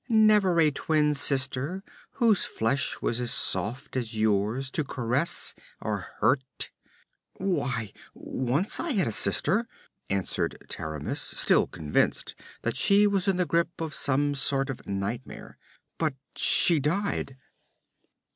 'Never a twin sister whose flesh was as soft as yours to caress or hurt?' 'Why, once I had a sister,' answered Taramis, still convinced that she was in the grip of some sort of nightmare. 'But she died.'